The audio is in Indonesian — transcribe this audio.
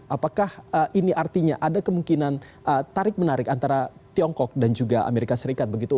apakah ini artinya ada kemungkinan tarik menarik antara tiongkok dan juga amerika serikat begitu